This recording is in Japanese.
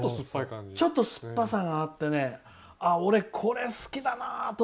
ちょっとすっぱさがあって俺、これ好きだなって。